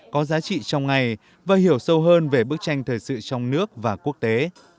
có giá trị trong ngày và hiểu sâu hơn về bức tranh thời sự trong nước và quốc tế